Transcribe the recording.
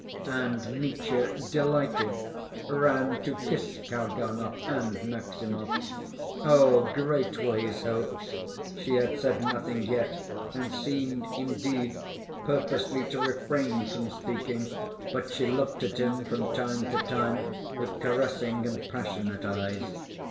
And Mitya, delighted, ran to kiss Kalganov and Maximov. Oh, great were his hopes! She had said nothing yet, and seemed, indeed, purposely to refrain from speaking. But she looked at him from time to time with caressing and passionate eyes.